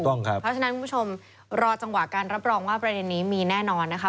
เพราะฉะนั้นคุณผู้ชมรอจังหวะการรับรองว่าประเด็นนี้มีแน่นอนนะคะ